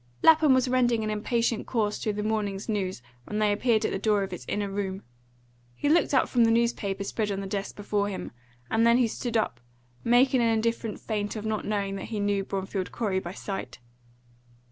Lapham was rending an impatient course through the morning's news when they appeared at the door of his inner room. He looked up from the newspaper spread on the desk before him, and then he stood up, making an indifferent feint of not knowing that he knew Bromfield Corey by sight.